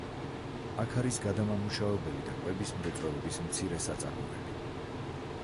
აქ არის გადამამუშავებელი და კვების მრეწველობის მცირე საწარმოები.